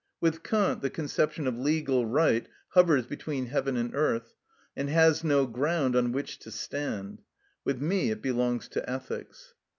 With Kant the conception of legal right hovers between heaven and earth, and has no ground on which to stand; with me it belongs to ethics.